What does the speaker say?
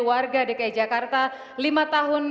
warga dki jakarta lima tahun